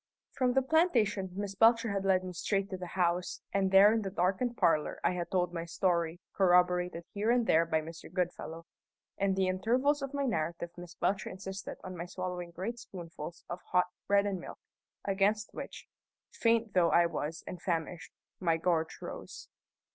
From the plantation Miss Belcher had led me straight to the house, and there in the darkened parlour I had told my story, corroborated here and there by Mr. Goodfellow. In the intervals of my narrative Miss Belcher insisted on my swallowing great spoonfuls of hot bread and milk, against which faint though I was and famished my gorge rose.